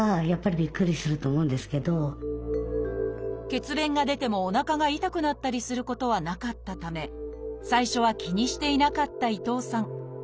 血便が出てもおなかが痛くなったりすることはなかったため最初は気にしていなかった伊藤さん。